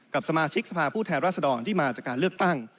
สมาชิกสภาพผู้แทนรัศดรที่มาจากการเลือกตั้ง